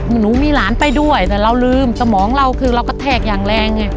หนูมีหลานไปด้วยแต่เราลืมสมองเราคือเรากระแทกอย่างแรงไง